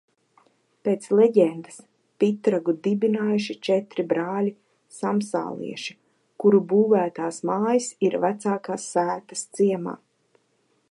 Pēc leģendas, Pitragu dibinājuši četri brāļi sāmsalieši, kuru būvētās mājas ir vecākās sētas ciemā.